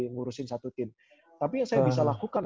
ngurusin satu tim tapi yang saya bisa lakukan